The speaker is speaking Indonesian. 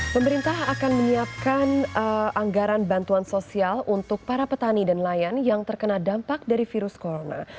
pemerintah akan menyiapkan anggaran bantuan sosial untuk para petani dan nelayan yang terkena dampak dari virus corona